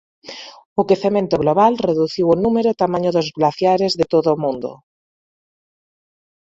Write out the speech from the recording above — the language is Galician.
O quecemento global reduciu o número e tamaño dos glaciares de todo o mundo.